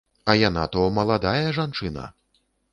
А яна то маладая жанчына!